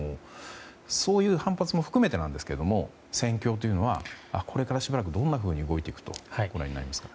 そういう反発も含めてなんですが戦況というのはこれからしばらくどんなふうに動いていくと思いますか。